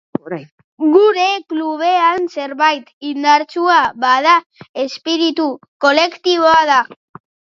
Gure klubean zerbait indartsua bada espiritu kolektiboa da.